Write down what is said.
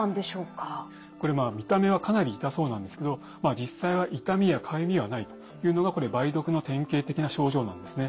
これ見た目はかなり痛そうなんですけど実際は痛みやかゆみはないというのがこれ梅毒の典型的な症状なんですね。